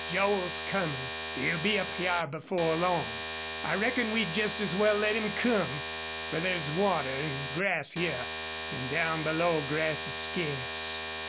"Joel's comin'. He'll be up hyar before long. I reckon we'd jest as well let him come. Fer there's water an' grass hyar. An' down below grass is scarce."